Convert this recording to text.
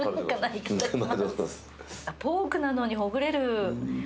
ポークなのにほぐれる。